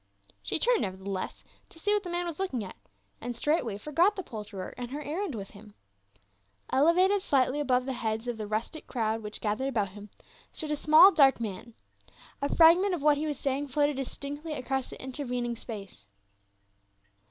She turned nevertheless to see what the man was looking at, and straightway forgot the poulterer and her errand with him. Elevated slightly above the heads of the rustic crowd which gathered about him, stood a small dark man. TJIE CALLING OF TIMOTHY. 307 A fragment of what he was saying floated distinctly across the intervening space.